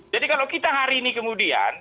jadi kalau kita hari ini kemudian